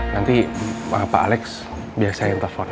nanti pak alex biar saya yang telepon